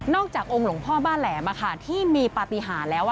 อกจากองค์หลวงพ่อบ้านแหลมที่มีปฏิหารแล้ว